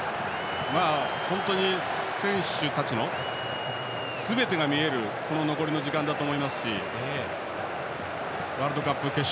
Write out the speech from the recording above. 本当に選手たちのすべてが見えるこの残りの時間だと思いますしワールドカップ決勝